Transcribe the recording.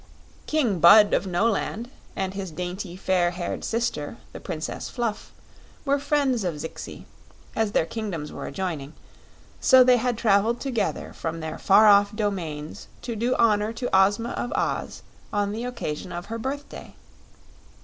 King Bud of Noland and his dainty fair haired sister, the Princess Fluff, were friends of Zixi, as their kingdoms were adjoining, so they had traveled together from their far off domains to do honor to Ozma of Oz on the occasion of her birthday.